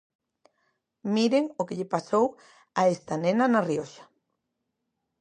Miren o que lle pasou a esta nena na Rioxa.